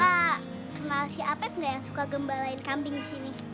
bapak kenal si apep enggak yang suka gembalain kambing di sini